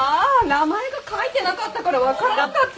名前が書いてなかったから分からなかった。